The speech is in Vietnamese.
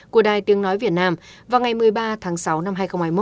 của đài tiếng nói việt nam vào ngày một mươi ba tháng sáu năm hai nghìn hai mươi một